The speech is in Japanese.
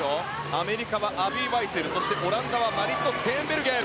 アメリカはアビー・ワイツェルオランダはマリット・ステーンベルゲン。